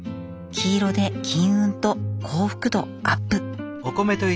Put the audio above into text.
黄色で金運と幸福度アップ！